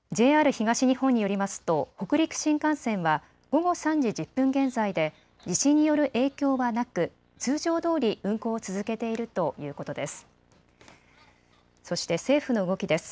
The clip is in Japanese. ＪＲ東日本によりますと北陸新幹線は午後３時１０分現在で地震による影響はなく通常どおり運行を続けているということです。